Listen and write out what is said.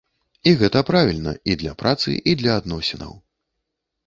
І гэта правільна і для працы, і для адносінаў.